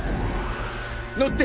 乗って！